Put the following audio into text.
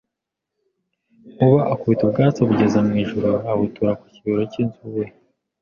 Nkuba akubita ubwatsi abugeza mu ijuru abutura ku kibero cy'inzu iwe